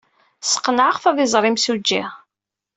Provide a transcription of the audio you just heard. Sqenɛeɣ-t ad iẓer imsujji.